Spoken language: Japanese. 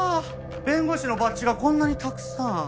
弁護士のバッジがこんなにたくさん。